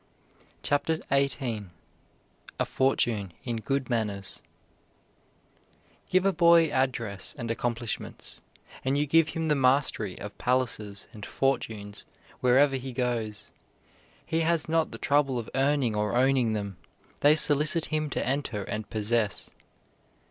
CHAPTER XVIII A FORTUNE IN GOOD MANNERS Give a boy address and accomplishments, and you give him the mastery of palaces and fortunes wherever he goes; he has not the trouble of earning or owning them; they solicit him to enter and possess.